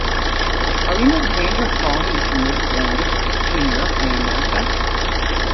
Are we not in danger of falling into mid-Atlantic between Europe and America?